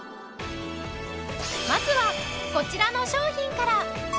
まずはこちらの商品から。